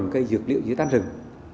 cây dược liệu dưới tan rừng